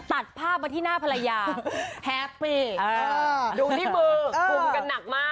ตัดภาพมาที่หน้าภรรยาแฮปปี้ดูที่มือกลุ่มกันหนักมาก